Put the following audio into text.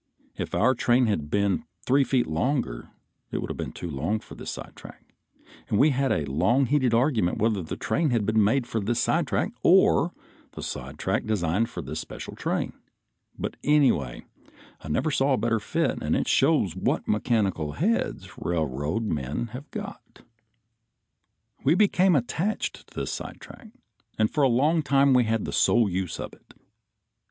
If our train had been three feet longer it would have been too long for this sidetrack, and we had a long heated argument whether the train had been made for this sidetrack or the sidetrack designed for this special train; but, anyway, I never saw a better fit, and it shows what mechanical heads railroad men have got. We became attached to this sidetrack, and for a long time had the sole use of it.